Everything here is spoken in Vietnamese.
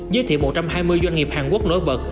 giới thiệu một trăm hai mươi doanh nghiệp hàn quốc nối vật